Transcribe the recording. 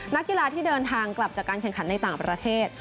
นักกีฬาที่เดินทางกลับจากการแข่งขันในต่างประเทศ